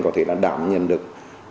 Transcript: có thể đảm nhận được